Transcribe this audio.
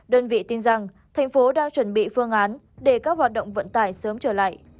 đơn vị tin rằng thành phố đang chuẩn bị phương án để các hoạt động vận tải sớm trở lại